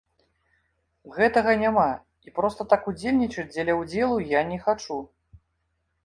Гэтага няма, і проста так удзельнічаць дзеля ўдзелу я не хачу.